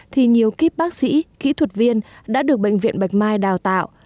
thì nhiều kíp bác sĩ kỹ thuật viên đã được bệnh viện bạch mai đào tạo